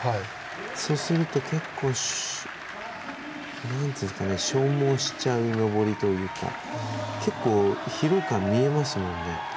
そうすると消耗しちゃう登りというか結構、疲労感見えますもんね。